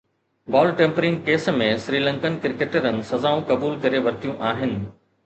بال tampering case ۾ Sri Lankan ڪرڪيٽرن سزائون قبول ڪري ورتيون آهن